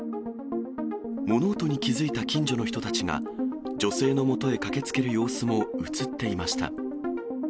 物音に気付いた近所の人たちが、女性の元へ駆けつける様子も写っていました。